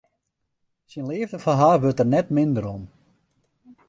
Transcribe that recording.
Syn leafde foar har wurdt der net minder om.